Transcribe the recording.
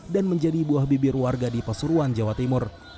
dan menjadi buah bibir warga di pasuruan jawa timur